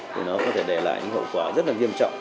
vì nó có thể để lại những hậu quả rất nghiêm trọng